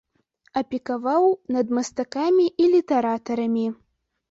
Апекаваў над мастакамі і літаратарамі.